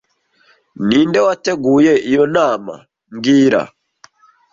Ninde wateguye iyo nama mbwira